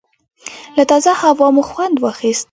له تازه هوا مو خوند واخیست.